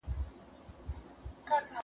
زه به سبا موبایل کاروم